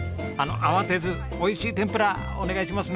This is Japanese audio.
慌てずおいしい天ぷらお願いしますね。